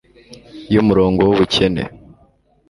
y'umurongo w'ubukene